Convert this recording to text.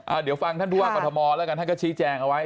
อ่าเดี๋ยวฟังท่านธุรกฎมแล้วกันท่านก็ชี้แจงเอาไว้